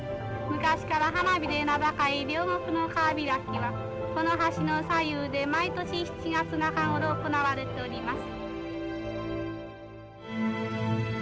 昔から花火で名高い両国の川開きはこの橋の左右で毎年７月中頃行われております。